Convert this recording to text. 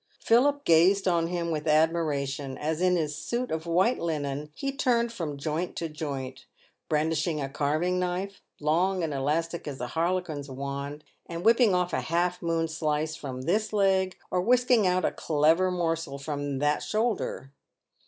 Philip gazed on him with admiration, as in his suit of white linen he turned from joint to joint, brandishing a carving knife, long and elastic as a harlequin's wand, and whipping off a half moon slice from this leg, or whisking out a clever morsel from that shoulder.